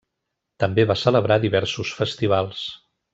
També va celebrar diversos festivals.